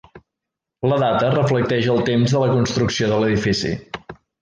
La data reflecteix el temps de la construcció de l'edifici.